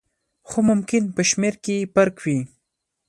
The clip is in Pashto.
خو ممکن په شمېر کې یې فرق وي.